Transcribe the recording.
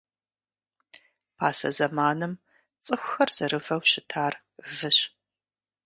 Пасэ зэманым цӏыхухэр зэрывэу щытар выщ.